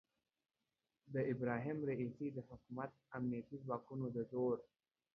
د ابراهیم رئیسي د حکومت امنیتي ځواکونو د زور